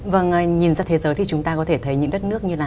vâng nhìn ra thế giới thì chúng ta có thể thấy những đất nước như là